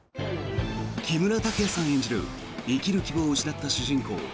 木村拓哉さん演じる生きる希望を失った主人公